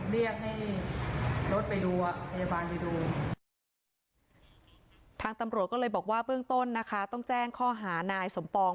พยาบาลไปดูทางตำรวจก็เลยบอกว่าเบื้องต้นนะคะต้องแจ้งข้อหานายสมปอง